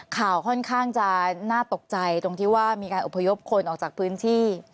ข่าวค่อนข้างจะน่าตกใจตรงที่ว่ามีการอบพยพคนออกจากพื้นที่